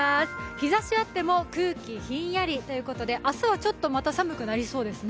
日ざしあっても空気ひんやりということで、明日はちょっとまた寒くなりそうですね。